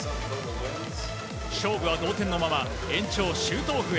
勝負は同点のまま延長シュートオフへ。